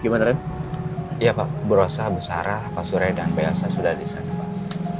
gimana rem ya pak berusaha besar apa sure dan belas sudah disana pak